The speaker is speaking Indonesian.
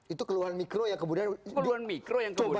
itu keluhan mikro yang kemudian keluhan mikro yang kemudian